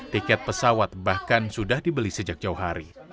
tiket pesawat bahkan sudah dibeli sejak jauh hari